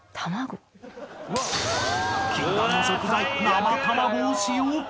［禁断の食材生卵を使用］